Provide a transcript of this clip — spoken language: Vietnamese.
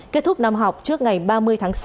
kết thúc năm học trước ngày ba mươi tháng sáu